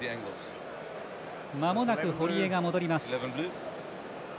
まもなく堀江が戻ります。